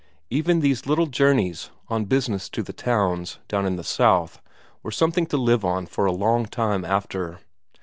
Even these little journeys on business to the towns down in the south were something to live on for a long time after.